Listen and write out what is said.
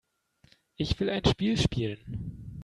Ich will ein Spiel spielen.